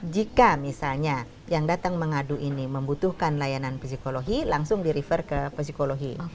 jika misalnya yang datang mengadu ini membutuhkan layanan psikologi langsung di refer ke psikologi